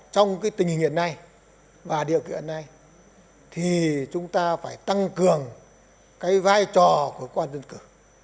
trong tình hình hiện nay và điều kiện này thì chúng ta phải tăng cường cái vai trò của cơ quan dân cử